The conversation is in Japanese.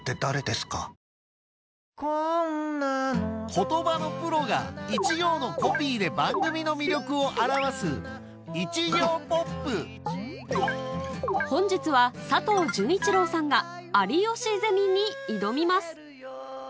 言葉のプロが一行のコピーで番組の魅力を表す本日は佐藤潤一郎さんが『有吉ゼミ』に挑みます